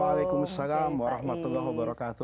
waalaikumsalam wr wb